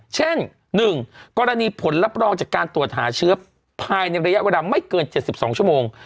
เช่น๑กรณีผลรับรองจากการตรวจหาเชื้อภายในระยะเวลาไม่เกิน๗๒ชั่วโมง